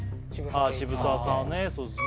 渋沢栄一さんはそうですね